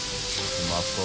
うまそう。